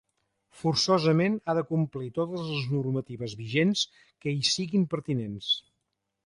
Forçosament ha de complir totes les normatives vigents que hi siguin pertinents.